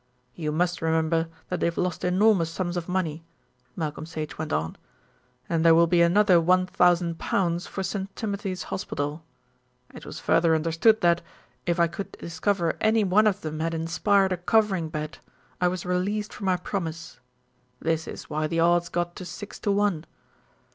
"You must remember that they have lost enormous sums of money," Malcolm Sage went on, "and there will be another 1,000 pounds for St. Timothy's Hospital. It was further understood that, if I could discover anyone of them had inspired a covering bet, I was released from my promise. This is why the odds got to six to one.